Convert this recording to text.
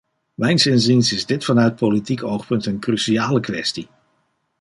Mijns inziens is dit vanuit politiek oogpunt een cruciale kwestie.